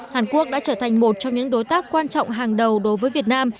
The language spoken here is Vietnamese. hàn quốc đã trở thành một trong những đối tác quan trọng hàng đầu đối với việt nam